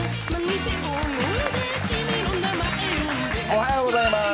おはようございます。